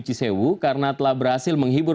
cisewu karena telah berhasil menghibur